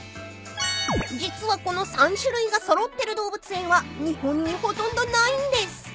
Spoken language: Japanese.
［実はこの３種類が揃ってる動物園は日本にほとんどないんです］